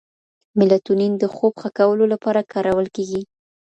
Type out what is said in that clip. میلاټونین د خوب ښه کولو لپاره کارول کېږي.